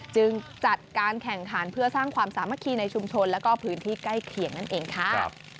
จึงจัดการแข่งขันเพื่อสร้างความสามัคคีในชุมชนแล้วก็พื้นที่ใกล้เคียงนั่นเองค่ะ